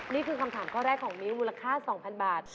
นี่คือคำถามข้อแรกของมิ้วมูลค่า๒๐๐๐บาท